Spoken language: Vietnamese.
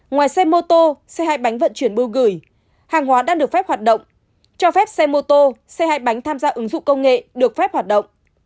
ngoài xe mô tô xe hai bánh vận chuyển bưu gửi hàng hóa đang được phép hoạt động cho phép xe mô tô xe hai bánh tham gia ứng dụng công nghệ được phép hoạt động